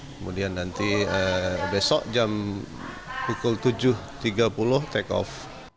kemudian nanti besok jam pukul tujuh tiga puluh take off